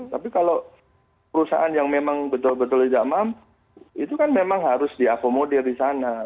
tapi kalau perusahaan yang memang betul betul tidak mampu itu kan memang harus diakomodir di sana